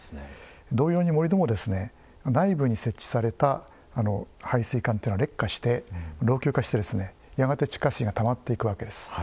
同様に盛土も内部に設置された排水管が劣化して老朽化してやがて地下水がたまっていくわけです。